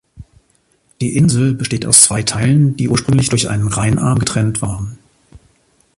Die Insel besteht aus zwei Teilen, die ursprünglich durch einen Rheinarm getrennt waren.